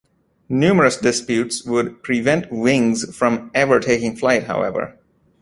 Numerous disputes would prevent Wings from ever taking flight, however.